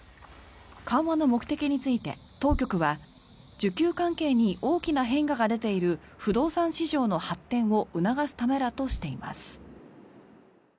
緩和の目的について当局は需給関係に大きな変化が出ている不動産市場の発展を促すためだとしています。